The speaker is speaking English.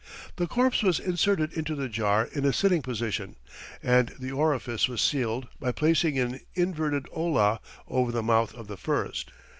The corpse was inserted into the jar in a sitting position, and the orifice was sealed by placing an inverted olla over the mouth of the first.